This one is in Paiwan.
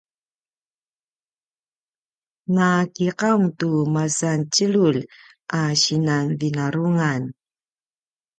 na kiqaung tu masan tjelulj a sinan vinarungan